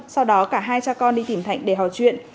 sau đó cả hai cha con đi tìm thạnh để hỏi chuyện